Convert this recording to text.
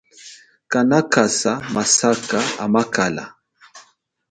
Kana kasa masaka amakala.